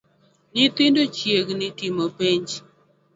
Nyithindo ochiegni timo penj